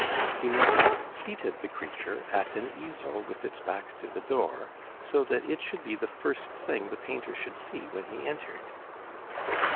He next seated the creature at an easel with its back to the door, so that it should be the first thing the painter should see when he entered.